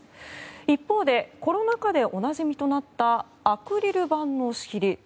一方でコロナ禍でおなじみとなったアクリル板の仕切り。